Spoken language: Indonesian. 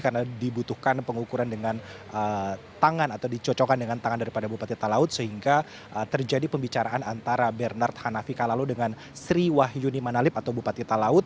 karena dibutuhkan pengukuran dengan tangan atau dicocokkan dengan tangan daripada bupati talaut sehingga terjadi pembicaraan antara bernard hanafika lalu dengan sri wahyumi manalip atau bupati talaut